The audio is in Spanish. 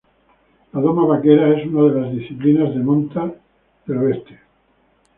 La doma vaquera es una de las disciplinas de monta western.